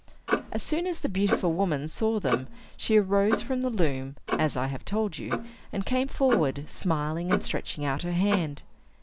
As soon as the beautiful woman saw them, she arose from the loom, as I have told you, and came forward, smiling, and stretching out her hand.